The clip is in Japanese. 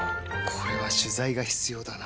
これは取材が必要だな。